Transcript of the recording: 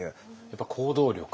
やっぱり行動力？